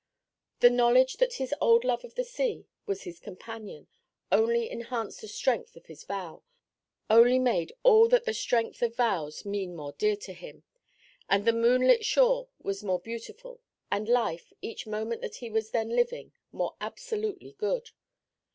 The knowledge that his old love of the sea was his companion only enhanced the strength of his vow, only made all that the strength of vows mean more dear to him; and the moonlit shore was more beautiful, and life, each moment that he was then living, more absolutely good.